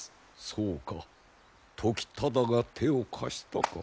そうか時忠が手を貸したか。